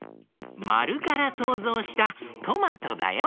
まるからそうぞうしたトマトだよ。